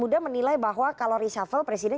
muda menilai bahwa kalau reshuffle presiden